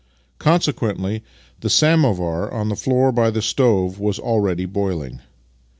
Consequently, the samovar on the floor by the stove was already boiling.